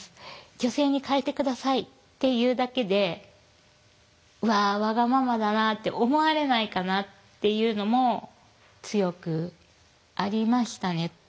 女性にかえて下さいって言うだけで「うわわがままだな」って思われないかなっていうのも強くありましたね。